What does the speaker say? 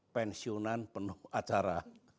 pensiunan penuh acara